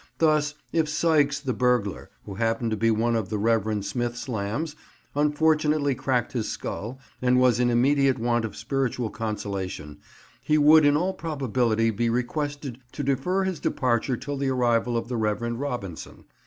Thus, if Sykes the burglar, who happened to be one of the Rev. Smith's lambs, unfortunately cracked his skull, and was in immediate want of spiritual consolation, he would in all probability be requested to defer his departure till the arrival of the Rev. Robinson.